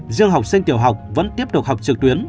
riêng học sinh tiểu học vẫn tiếp tục học trực tuyến